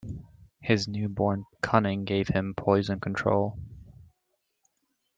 His newborn cunning gave him poise and control.